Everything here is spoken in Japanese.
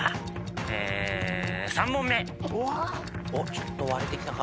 ちょっと割れてきたか？